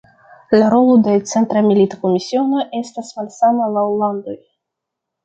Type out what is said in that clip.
La rolo de Centra Milita Komisiono estas malsama laŭ landoj.